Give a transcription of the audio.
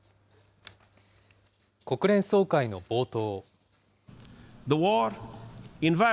国連総会の冒頭。